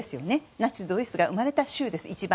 ナチス・ドイツが生まれた州。